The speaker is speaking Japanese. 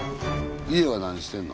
家は何してんの？